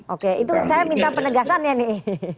oke itu saya minta penegasannya nih